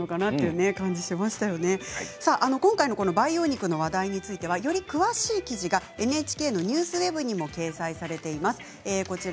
今回の培養肉の話題について、より詳しい記事がＮＨＫの「ＮＥＷＳＷＥＢ」にも掲載されています。